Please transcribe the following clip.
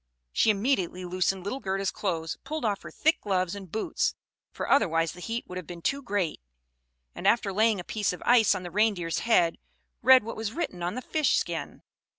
She immediately loosened little Gerda's clothes, pulled off her thick gloves and boots; for otherwise the heat would have been too great and after laying a piece of ice on the Reindeer's head, read what was written on the fish skin.